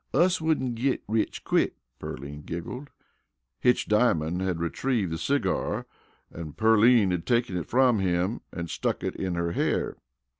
"Us wouldn't git rich quick," Pearline giggled. Hitch Diamond had retrieved the cigar, and Pearline had taken it from him and stuck it in her hair.